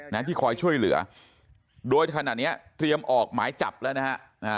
นะที่คอยช่วยเหลือโดยขณะเนี้ยเตรียมออกหมายจับแล้วนะฮะ